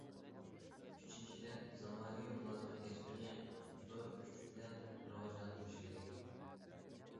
ئۈچىنچىدىن، زامانىۋى مۇلازىمەت كەسپىنى زور كۈچ بىلەن راۋاجلاندۇرۇشى كېرەك.